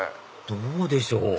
どうでしょう？